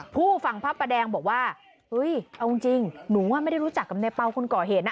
ผู้ฟังภาพแบบแดงบอกว่าเอ้ยเอาจริงหนูไม่ได้รู้จักกับนายเป้าคุณก่อเหตุนะ